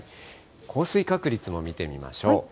降水確率も見てみましょう。